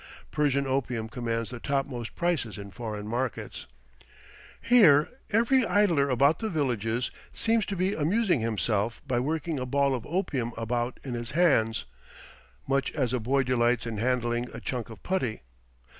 Persian opium commands the topmost prices in foreign markets. Here every idler about the villages seems to be amusing himself by working a ball of opium about in his hands, much as a boy delights in handling a chunk of putty.